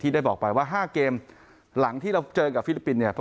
ได้บอกไปว่า๕เกมหลังที่เราเจอกับฟิลิปปินส์เนี่ย